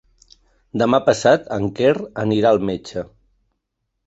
Demà passat en Quer anirà al metge.